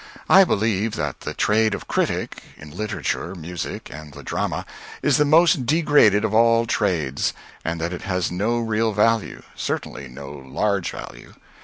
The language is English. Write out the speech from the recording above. I believe that the trade of critic, in literature, music, and the drama, is the most degraded of all trades, and that it has no real value certainly no large value.